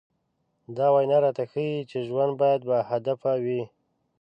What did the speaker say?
دا وينا راته ښيي چې ژوند بايد باهدفه وي.